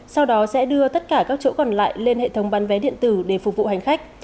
sau đó sẽ đưa tất cả các chỗ còn lại lên hệ thống bán vé điện tử để phục vụ hành khách